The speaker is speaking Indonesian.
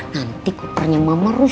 nanti kopernya mama rusak